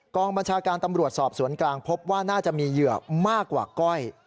บัญชาการตำรวจสอบสวนกลางพบว่าน่าจะมีเหยื่อมากกว่าก้อย